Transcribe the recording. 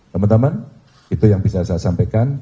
teman teman itu yang bisa saya sampaikan